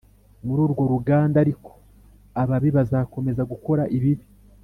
Muri urwo ruganda ariko ababi bazakomeza gukora ibibi